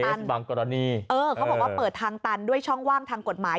บางกรณีเออเขาบอกว่าเปิดทางตันด้วยช่องว่างทางกฎหมาย